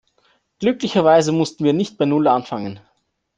Glücklicherweise mussten wir nicht bei Null anfangen.